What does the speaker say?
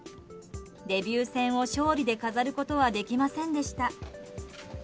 デビュー戦を勝利で飾ることはできませんでした。